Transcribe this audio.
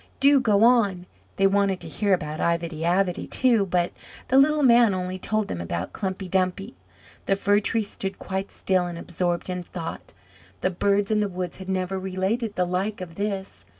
Do go on!" They wanted to hear about Ivedy Avedy, too, but the little man only told them about Klumpy Dumpy. The Fir tree stood quite still and absorbed in thought; the birds in the woods had never related the like of this.